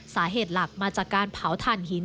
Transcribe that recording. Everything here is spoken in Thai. สาเหตุหลักมาจากการเผาถ่านหิน